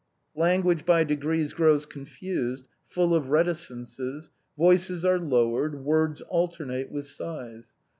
Language by degrees grows confused, full of reticences; voices are lowered; words alternate with sighs.